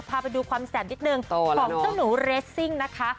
พาไปดูความแสนนิดนึงของเจ้าหนูเรสซิ่งนะคะ